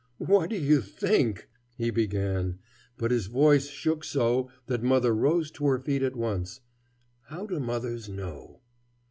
"What do you think " he began, but his voice shook so that mother rose to her feet at once. How do mothers know?